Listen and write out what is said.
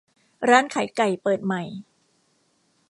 ร้านขายไก่เปิดใหม่